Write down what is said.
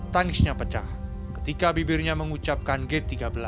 tangisnya pecah ketika bibirnya mengucapkan gate tiga belas